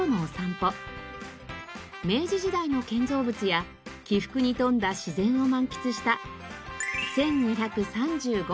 明治時代の建造物や起伏に富んだ自然を満喫した１２３５歩でした。